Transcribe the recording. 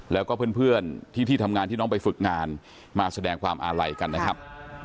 แล้วก็เพื่อนที่ที่ทำงานที่น้องไปฝึกงานมาแสดงความอาลัยกันนะครับ